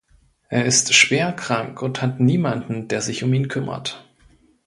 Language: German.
Er ist schwer krank und hat niemanden, der sich um ihn kümmert.